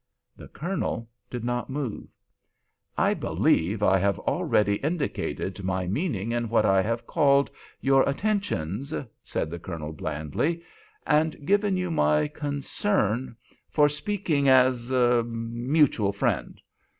The Colonel did not move. "I believe I have already indicated my meaning in what I have called 'your attentions,'" said the Colonel, blandly, "and given you my 'concern' for speaking as—er—er mutual friend.